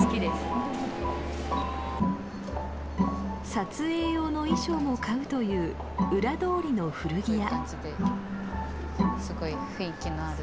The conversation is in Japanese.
撮影用の衣装も買うという裏通りの古着屋。